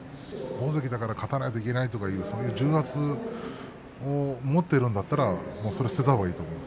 大関だから勝たなきゃいけないという重圧を持っているんだったらそれは捨てたほうがいいと思う。